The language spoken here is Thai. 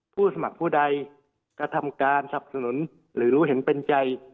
ผู้สมัครผู้ใดกระทำการสับสนุนหรือรู้เห็นเป็นใจ